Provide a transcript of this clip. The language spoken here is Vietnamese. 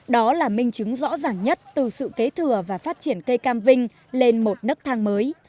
đó là minh chứng rõ ràng nhất từ sự kế thừa và phát triển cây cam vinh lên một nức thang mới